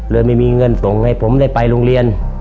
ไม่มีเงินส่งให้ผมได้ไปโรงเรียน